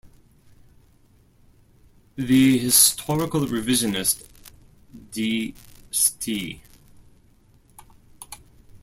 The historical revisionist De Ste.